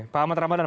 pak ahmad ramadan